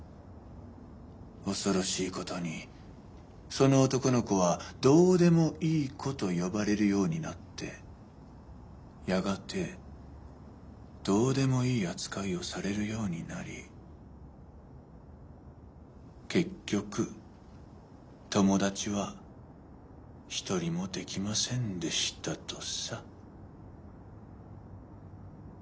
恐ろしいことにその男の子は「どうでもいい子」と呼ばれるようになってやがてどうでもいい扱いをされるようになり結局友達はひとりもできませんでしたとさ。